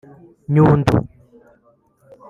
Nyundo